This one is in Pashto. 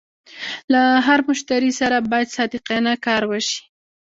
له هر مشتري سره باید صادقانه کار وشي.